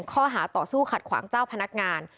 ข้อหาต่อสู้ขัดขวางเจ้าพนักงาน